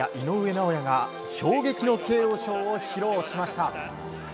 尚弥が衝撃のＫＯショーを披露しました。